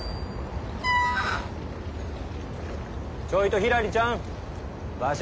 ちょいとひらりちゃん場所